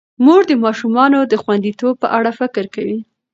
مور د ماشومانو د خوندیتوب په اړه فکر کوي.